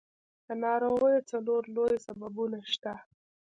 د ناروغیو څلور لوی سببونه شته.